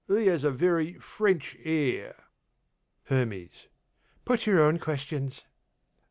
he has a very French air. HERMES: Put your own questions.